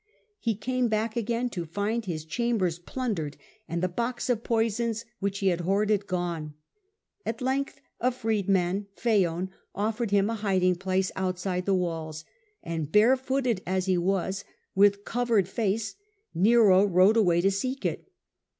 He came back again to find his chambers plundered, and the box of poisons which he had hoarded gone. At length a freedman, Phaon, offered him a hiding place outside the walls ; he fled.^w.'iy and barefooted as he was, with covered face, freed^an'°* Nero rode away to seek it.